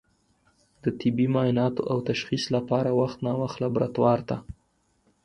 د طبي معایناتو او تشخیص لپاره وخت نا وخت لابراتوار ته